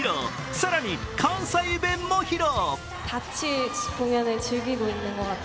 更に関西弁も披露。